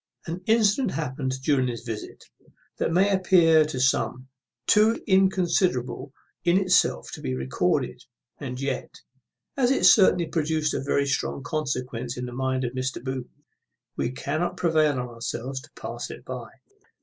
An incident happened during this visit, that may appear to some too inconsiderable in itself to be recorded; and yet, as it certainly produced a very strong consequence in the mind of Mr. Booth, we cannot prevail on ourselves to pass it by.